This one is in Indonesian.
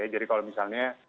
jadi kalau misalnya